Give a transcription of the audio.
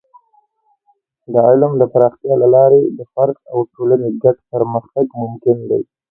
د علم د پراختیا له لارې د فرد او ټولنې ګډ پرمختګ ممکن دی.